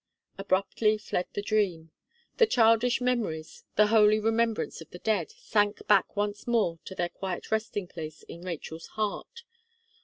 Abruptly fled the dream. The childish memories, the holy remembrance of the dead, sank back once more to their quiet resting place in Rachel's heart.